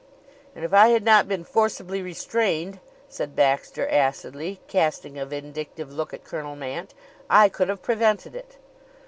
"And if I had not been forcibly restrained," said Baxter acidly, casting a vindictive look at Colonel Mant, "I could have prevented it."